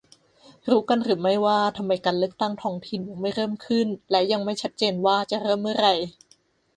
รู้กันหรือไม่ว่า ทำไมการเลือกตั้งท้องถิ่นยังไม่เริ่มขึ้น และยังไม่ชัดเจนว่า จะเริ่มเมื่อไร